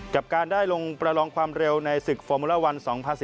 กับการได้ลงประลองความเร็วในศึกฟอร์มูลละวัน๒๐๑๙